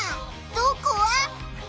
どこ？